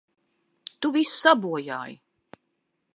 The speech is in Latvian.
Tu visu sabojāji!